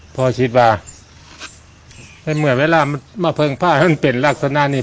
พอชีดว่าให้เมื่อเวลามาเพลิงพ่ามันเป็นลักษณะนี้